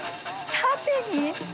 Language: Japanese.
縦に？